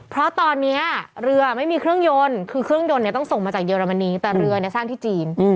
แต่เรือนี้สร้างที่จีน